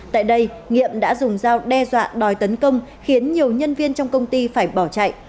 tại đây nhiệm đã dùng dao đe dọa đòi tấn công khiến nhiều nhân viên trong công ty phải bỏ chạy